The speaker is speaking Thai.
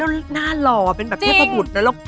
เนาะหล่อเหมือนแพ่ประบุทธ์จริง